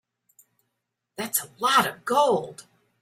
That's a lot of gold.